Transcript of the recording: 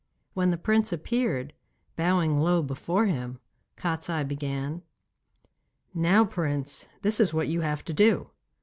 When the prince appeared, bowing low before him, Kostiei began: 'Now, Prince, this is what you have to do.